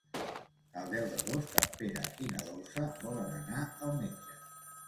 El deu d'agost en Pere i na Dolça volen anar al metge.